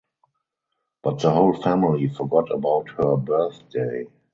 But the whole family forgot about her birthday.